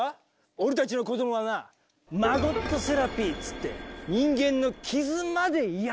俺たちの子どもはなマゴットセラピーっつって人間の傷まで癒やしてんだぞ。